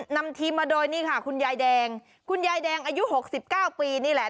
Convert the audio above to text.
นำทีมมาโดยนี่ค่ะคุณยายแดงคุณยายแดงอายุ๖๙ปีนี่แหละ